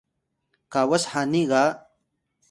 kawas hani ga